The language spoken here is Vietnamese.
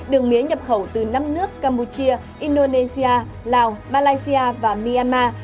đường mía nhập khẩu từ năm nước campuchia indonesia lào malaysia và myanmar